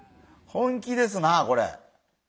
本気ですなあこれ。